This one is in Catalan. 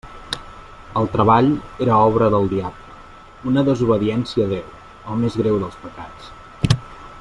El treball era obra del diable: una desobediència a Déu, el més greu dels pecats.